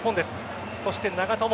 そして長友。